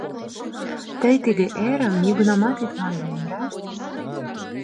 Тый тиде эрым нигунамат ит мондо, йӧра?